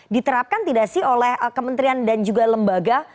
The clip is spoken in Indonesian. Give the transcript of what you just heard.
diterapkan tidak sih oleh kementerian dan juga lembaga